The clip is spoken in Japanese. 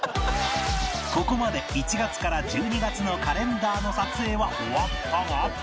ここまで１月から１２月のカレンダーの撮影は終わったが